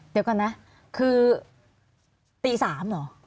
เดี๋ยวก่อนนะคือตี๓เหรอ